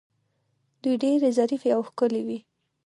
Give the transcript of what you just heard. دوی ډیرې ظریفې او ښکلې وې